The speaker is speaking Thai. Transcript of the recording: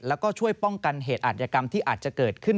แล้วก็ช่วยป้องกันเหตุอาธิกรรมที่อาจจะเกิดขึ้น